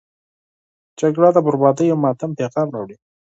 جګړه د بربادي او ماتم پیغام راوړي.